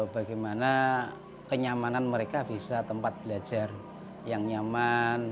bagaimana kenyamanan mereka bisa tempat belajar yang nyaman